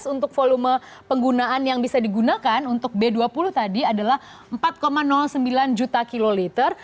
untuk volume penggunaan yang bisa digunakan untuk b dua puluh tadi adalah empat sembilan juta kiloliter